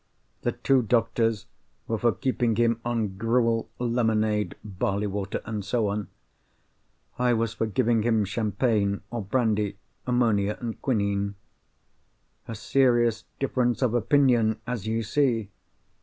The two doctors were for keeping him on gruel, lemonade, barley water, and so on. I was for giving him champagne, or brandy, ammonia, and quinine. A serious difference of opinion, as you see!